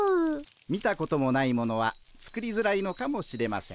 見たこともないものは作りづらいのかもしれません。